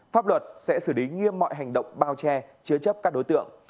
pháp luật sẽ xử lý nghiêm mọi hành động bao che chứa chấp các đối tượng